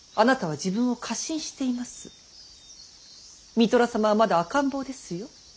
三寅様はまだ赤ん坊ですよ。